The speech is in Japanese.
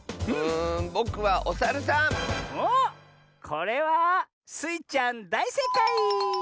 これはスイちゃんだいせいかい！